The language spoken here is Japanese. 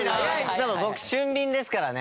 でも僕俊敏ですからね。